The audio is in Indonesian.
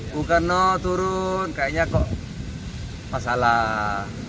bukan no turun kayaknya kok masalah